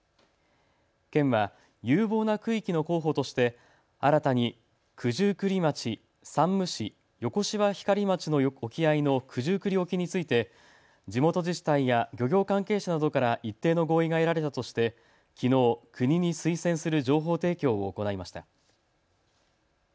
県は有望な区域の候補として新たに九十九里町、山武市、横芝光町の沖合の九十九里沖について地元自治体や漁業関係者などから一定の合意が得られたとして、きのう国に推薦する情報提供を行いました。